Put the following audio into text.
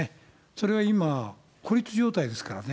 それが今、孤立状態ですからね。